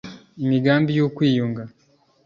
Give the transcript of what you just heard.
Imigambi y’ukwiyunga